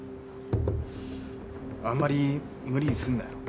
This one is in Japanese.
あんまり無理すんなよ。